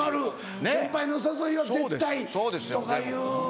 先輩のお誘いは絶対とかいうのが。